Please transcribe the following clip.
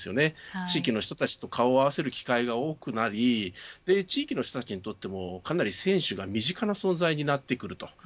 地域の人たちと顔を合わせる機会が多くなり地域の人たちにとってもかなり選手が身近な存在になってくる。